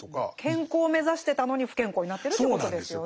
健康を目指してたのに不健康になってるっていうことですよね。